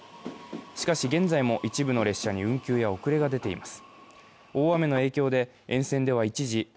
しかし現在も一部の列車に運休や遅れが出ています。